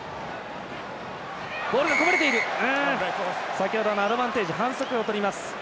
先ほどのアドバンテージ反則をとります。